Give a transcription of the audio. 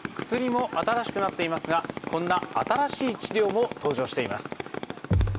薬も新しくなっていますがこんな新しい治療も登場しています。